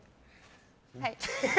はい。